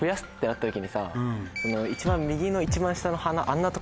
一番右の一番下の花。